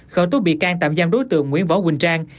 khởi tố bị can tạm giam đối tượng nguyễn võ quỳnh trang